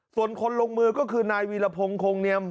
ส่วนคนลงมือก็คือนายวีรพงศ์คงเนียม